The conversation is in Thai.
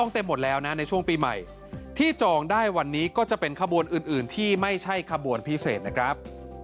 ที่จองได้วันนี้ก็จะเป็นขบวนอื่นที่ไม่ใช่ขบวนพิเศษนะครับ